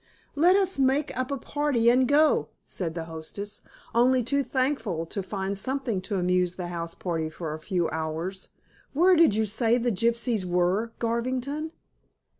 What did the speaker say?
"Let us make up a party and go," said the hostess, only too thankful to find something to amuse the house party for a few hours. "Where did you say the gypsies were, Garvington?"